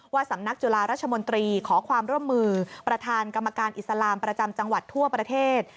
สำนักจุฬาราชมนตรีขอความร่วมมือประธานกรรมการอิสลามประจำจังหวัดทั่วประเทศ